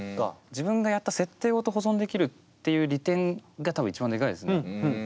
自分がやった設定ごと保存できるっていう利点が多分一番でかいですね。